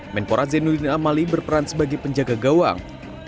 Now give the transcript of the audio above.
menpora zainuddin amali berperan sebagai penjaga gawang